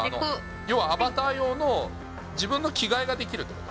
要はアバター用の自分の着替えができるってこと？